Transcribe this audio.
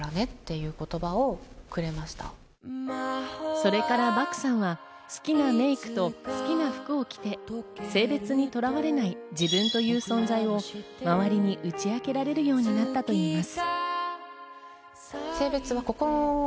それから漠さんは好きなメイクと好きな服を着て、性別にとらわれない自分という存在を周りに打ち明けられるようになったといいます。